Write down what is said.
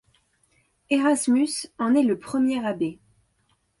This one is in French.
Erasmus en est le premier abbé.